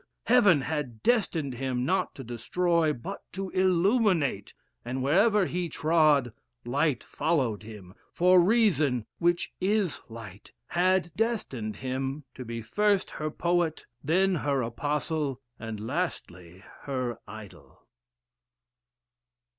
Heaven had destined him not to destroy but to illuminate, and wherever he trod, light followed him, for Reason (which is light) had destined him to be first her poet, then her apostle, and lastly her idol."